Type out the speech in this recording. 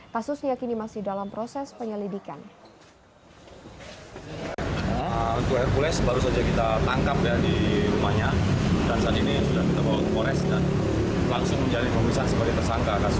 kasus yakin masih dalam proses penyelidikan